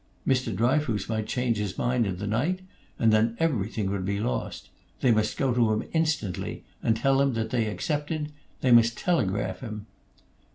Mr. Dryfoos might change his mind in the night, and then everything would be lost. They must go to him instantly, and tell him that they accepted; they must telegraph him.